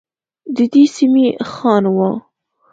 ددې سمي خان وه.